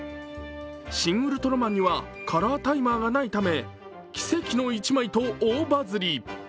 シン・ウルトラマンにはカラータイマーがないため、奇跡の１枚と大バズり。